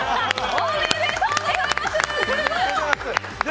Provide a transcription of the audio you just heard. おめでとうございます！